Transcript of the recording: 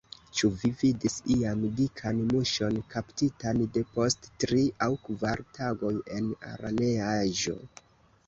Ĉu vi vidis iam dikan muŝon kaptitan depost tri aŭ kvar tagoj en araneaĵo?